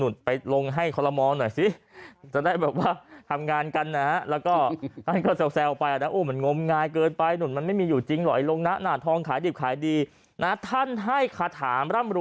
ฟังให้ดีคุณผู้ชม